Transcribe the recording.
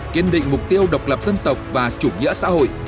kiên định mục tiêu độc lập dân tộc và chủ nghĩa xã hội